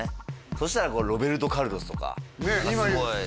そしたらこうロベルト・カルロスとかねえ